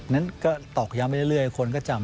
นั้นก็ตอกย้ำไปเรื่อยคนก็จำ